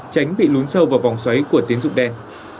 tránh bị lún sâu vào vòng xoáy của tiến dụng đen